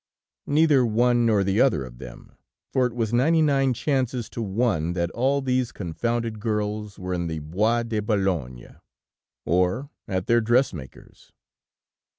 Neither one nor the other of them, for it was ninety nine chances to one that all these confounded girls were in the Bois de Boulogne, or at their dressmakers!"